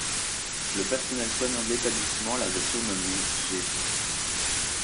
Le personnel soignant de l’établissement l’avait surnommé GéGé